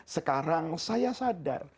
sekarang saya sadar